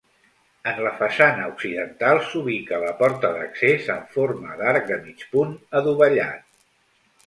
En la façana occidental s'ubica la porta d'accés en forma d'arc de mig punt adovellat.